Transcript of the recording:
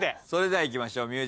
それではいきましょう。